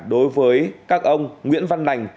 đối với các ông nguyễn văn nành